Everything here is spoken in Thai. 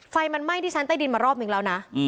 ไฟมันไหม้ที่ชั้นใต้ดินมารอบนึงแล้วนะ